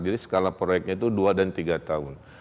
jadi skala proyeknya itu dua dan tiga tahun